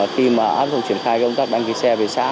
khi mà áp dụng triển khai công tác đăng ký xe về xã